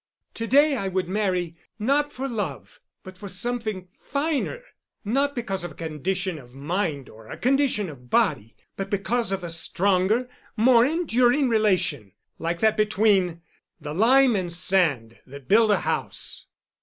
To day I would marry—not for love, but for something finer—not because of a condition of mind or a condition of body, but because of a stronger, more enduring relation, like that between the lime and sand that build a house.